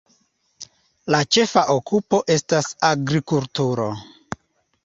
La ĉefa okupo estas agrikulturo.